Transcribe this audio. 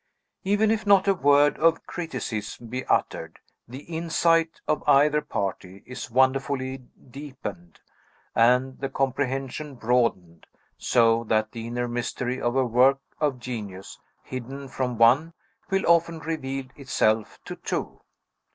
Even if not a word of criticism be uttered, the insight of either party is wonderfully deepened, and the comprehension broadened; so that the inner mystery of a work of genius, hidden from one, will often reveal itself to two.